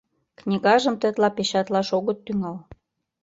Книгажым тетла печатлаш огыт тӱҥал.